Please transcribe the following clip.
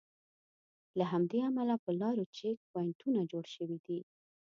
له همدې امله پر لارو چیک پواینټونه جوړ شوي دي.